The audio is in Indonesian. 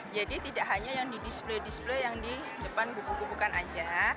jadi tidak hanya yang di display display yang di depan buku buku kan aja